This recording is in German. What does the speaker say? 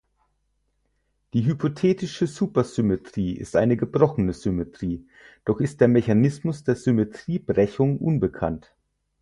Die hypothetische Supersymmetrie ist eine gebrochene Symmetrie, doch ist der Mechanismus der Symmetriebrechung unbekannt.